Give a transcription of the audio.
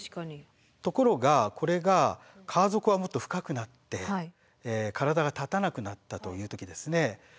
ところがこれが川底がもっと深くなって体が立たなくなったという時ですね。